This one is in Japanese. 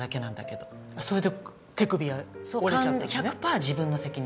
それで手首が折れちゃったのね。